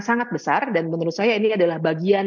sangat besar dan menurut saya ini adalah bagian